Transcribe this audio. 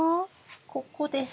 ここです。